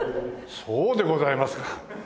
そうでございますか。